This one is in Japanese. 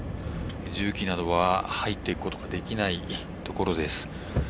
重機などは入っていくことができないところです。